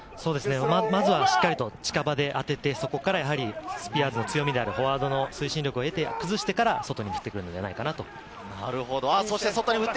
まずは、しっかり近場で当てて、そこからスピアーズの強みである、フォワードの推進力を得て、崩してから、外に振ってくるのではないかと思います。